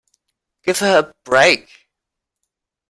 Give her a break!